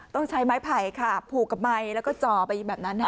ต้องใช้ไม้ไผ่ค่ะผูกกับไมค์แล้วก็จ่อไปแบบนั้น